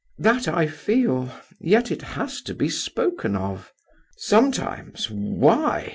"That I feel; yet it has to be spoken of" "Sometimes? Why?